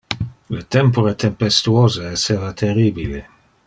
Le tempore tempestuose esseva terribile.